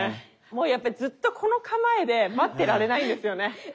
もうやっぱりずっとこの構えで待ってられないんですよね。